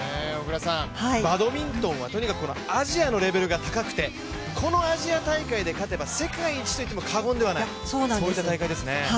バドミントンはとにかくアジアのレベルが高くてこのアジア大会で勝てば世界一と言っても過言ではないそういった大会ですね。